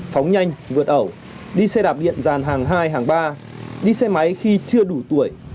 phóng nhanh vượt ẩu đi xe đạp điện dàn hàng hai hàng ba đi xe máy khi chưa đủ tuổi